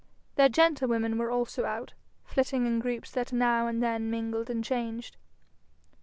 Their gentlewomen were also out, flitting in groups that now and then mingled and changed.